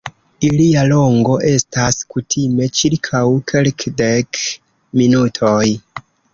Ilia longo estas kutime ĉirkaŭ kelkdek minutoj.